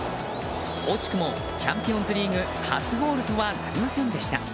惜しくもチャンピオンズリーグ初ゴールとはなりませんでした。